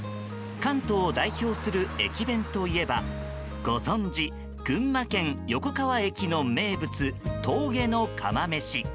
関東を代表する駅弁といえばご存じ、群馬県横川駅の名物峠の釜めし。